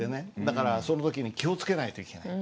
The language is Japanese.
だからその時に気を付けないといけない。